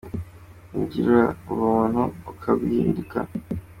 Wiringira umuntu akaguhinduka.